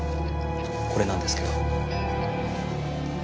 これなんですけど。